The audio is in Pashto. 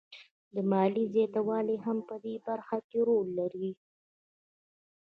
د ماليې زیاتوالی هم په دې برخه کې رول لري